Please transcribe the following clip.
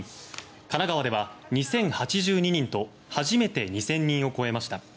神奈川では２０８２人と初めて２０００人を超えました。